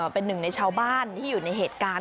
เป็นหนึ่งในชาวบ้านที่อยู่ในเหตุการณ์